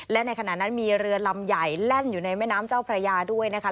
และในขณะนั้นมีเรือลำใหญ่แล่นอยู่ในแม่น้ำเจ้าพระยาด้วยนะคะ